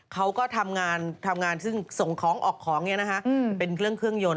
เขาก็ทำงานซึ่งส่งของออกของเป็นเครื่องยนต์